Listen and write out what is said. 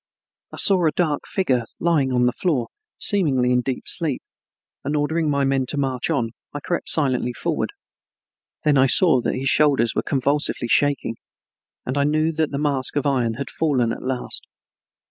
I saw a dark figure lying on the floor, seemingly in deep sleep, and ordering my men to march on I crept silently forward. Then I saw that his shoulders were convulsively shaking and I knew that the mask of iron had fallen at last.